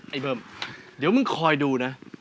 เบิ้มเดี๋ยวมึงคอยดูนะ